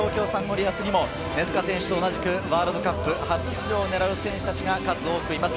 リアスにも根塚選手と同じくワールドカップ初出場を狙う選手たちが数多くいます。